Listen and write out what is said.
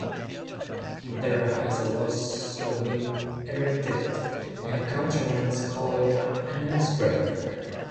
There has also been erected a contrivance called an icebreaker.